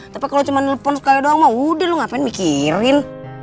tapi kalo cuma nelfon sekali doang mah udah lo ngapain mikirin